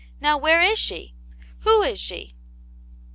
Now where is she ? Who is' she?"